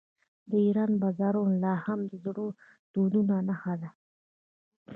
د ایران بازارونه لا هم د زړو دودونو نښه ده.